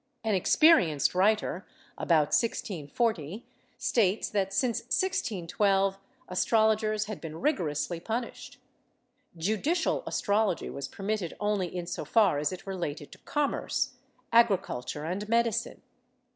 An experienced writer, about 1640, states that, since 1612, astrologers had been rigorously punished. Judicial astrology was permitted only in so far as it related to commerce, agriculture and medicine.